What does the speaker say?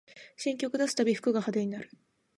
新曲出すたびに服が派手になる